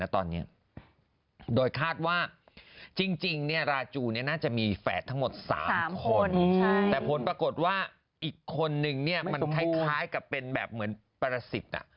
ทั้งหมด๓คนแต่ผลปรากฏว่าอีกคนนึงเนี่ยมันคล้ายกับเป็นแบบเหมือนปรสิทธิ์